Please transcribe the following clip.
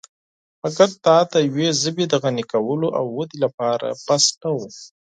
مګر دا دیوې ژبې د غني کولو او ودې لپاره کافی نه وو .